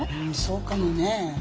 うんそうかもね。